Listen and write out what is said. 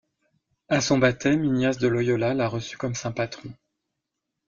À son baptême, Ignace de Loyola l'a reçu comme saint patron.